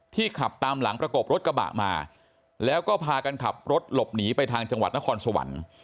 ขับตามหลังประกบรถกระบะมาแล้วก็พากันขับรถหลบหนีไปทางจังหวัดนครสวรรค์